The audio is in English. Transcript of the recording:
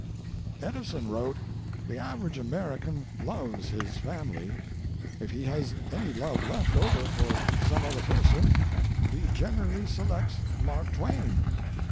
Edison wrote: "The average American loves his family. If he has any love left over for some other person, he generally selects Mark Twain."